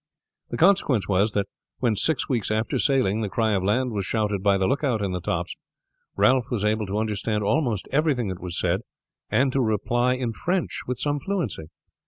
The consequence was that when six weeks after sailing the cry of land was shouted by the lookout in the tops, Ralph was able to understand almost everything that was said, and to reply in French with some fluency.